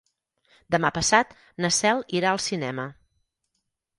Demà passat na Cel irà al cinema.